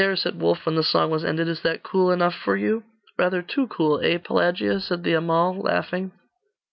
said Wulf, when the song was ended; 'is that cool enough for you?' 'Rather too cool; eh, Pelagia?' said the Amal, laughing.